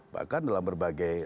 bahkan dalam berbagai